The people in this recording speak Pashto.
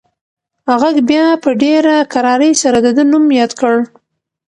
غږ بیا په ډېره کرارۍ سره د ده نوم یاد کړ.